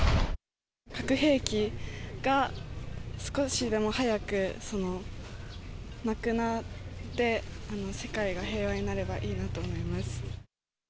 核兵器が少しでも早くなくなって、世界が平和になればいいなと思います。